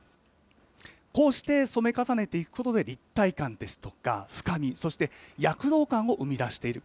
こうして染め重ねていくことで、立体感ですとか、深み、そして躍動感を生み出している。